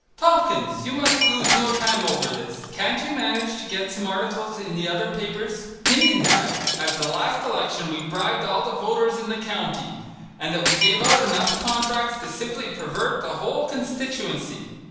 Tompkins, you must lose no time over this. Can't you manage to get some articles in the other papers hinting that at the last election we bribed all the voters in the county, and that we gave out enough contracts to simply pervert the whole constituency.